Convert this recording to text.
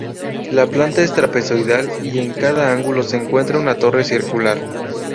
La planta es trapezoidal y en cada ángulo se encuentra una torre circular.